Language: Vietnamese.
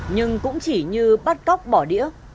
nhưng cũng chỉ như bắt cóc bỏ đĩa